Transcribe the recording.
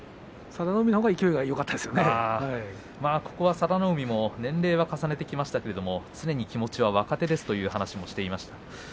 佐田の海のほうが佐田の海、年齢は重ねてきましたがいつも気持ちは若手ですと話をしています。